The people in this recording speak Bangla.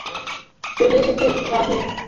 চলে এসেছে, রাধে।